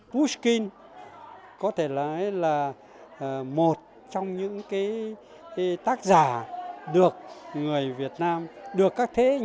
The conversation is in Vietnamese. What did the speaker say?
pushkin có thể nói là một trong những tác giả được